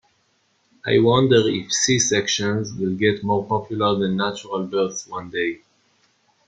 I wonder if C-sections will get more popular than natural births one day.